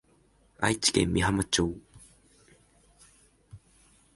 愛知県美浜町